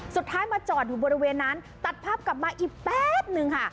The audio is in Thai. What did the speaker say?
สุดท้ายมาจอดอยู่บริเวณนั้นตัดภาพกลับมาอีกแป๊บนึงค่ะ